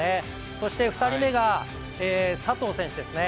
そして２人目が佐藤選手ですね。